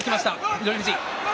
翠富士。